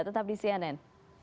tetap di cnn